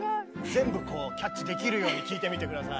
全部こうキャッチできるように聴いてみて下さい。